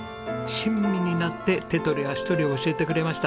親身になって手取り足取り教えてくれました。